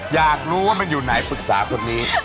อยากรู้ว่ามันอยู่ไหนปรึกษาคนนี้